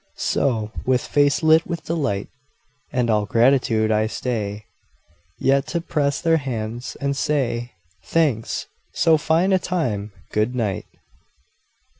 So, with face lit with delight And all gratitude, I stay Yet to press their hands and say, "Thanks. So fine a time ! Good night.